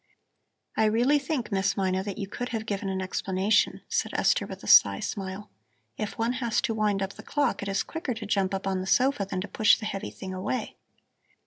"I really think, Miss Mina, that you could have given an explanation," said Esther with a sly smile. "If one has to wind up the clock, it is quicker to jump up on the sofa than to push the heavy thing away.